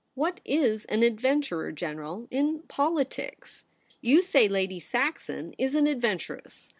' What is an adventurer, General, in poli tics ? You say Lady Saxon is an adven turess.